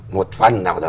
một phần nào đó